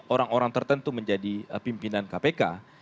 orang orang tertentu menjadi pimpinan kpk